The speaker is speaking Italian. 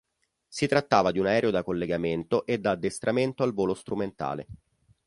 Si trattava di un aereo da collegamento e da addestramento al volo strumentale.